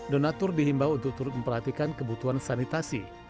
donatur dihimbau untuk turut memperhatikan kebutuhan sanitasi